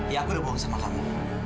ya aku udah bohong sama kamu